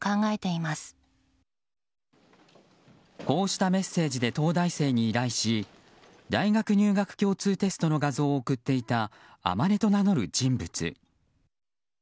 こうしたメッセージで東大生に依頼し大学入学共通テストの画像を送っていた天音と名乗る人物。